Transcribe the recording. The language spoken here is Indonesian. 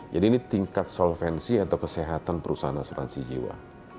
jadi ini tingkat solvensi atau kesehatan perusahaan asuransi jiwa